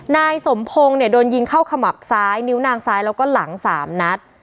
นายสมพงศ์เนี่ยโดนยิงเข้าขมับซ้ายนิ้วนางซ้ายแล้วก็หลัง๓นัด